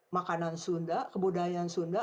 makanan sunda kebudayaan sunda